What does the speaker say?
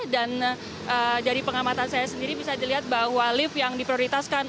dan dari pengamatan saya sendiri bisa dilihat bahwa lift yang diprioritaskan